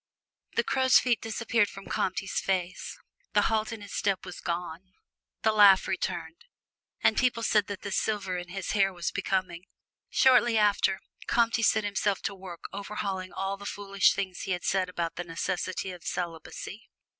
The crow's feet disappeared from Comte's face, the halt in his step was gone, the laugh returned, and people said that the silver in his hair was becoming. Shortly after, Comte set himself to work overhauling all the foolish things he had said about the necessity of celibacy.